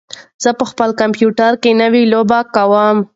زه په خپل کمپیوټر کې نوې لوبې کوم.